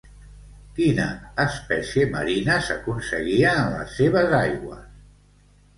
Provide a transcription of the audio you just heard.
Quina espècie marina s'aconseguia en les seves aigües?